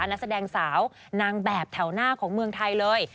นักแสดงสาวนางแบบแถวหน้าของเมืองไทยเลย